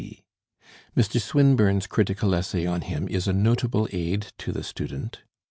Mr. Swinburne's critical essay on him is a notable aid to the student.